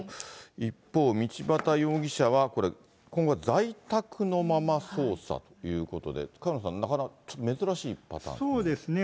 一方、道端容疑者はこれ、今後は在宅のまま捜査ということで、萱野さん、そうですね。